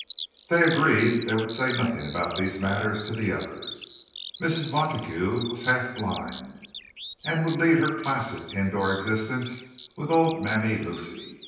They agreed that they would say nothing about these matters to the others. Mrs. Montague was half blind, and would lead her placid, indoor existence with old Mammy Lucy.